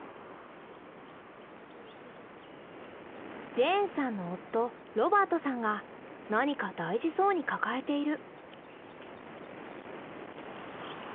ジェーンさんの夫ロバートさんが何か大事そうに抱えている。